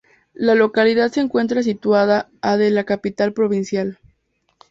La localidad se encuentra situada a de la capital provincial.